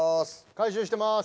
回収してます。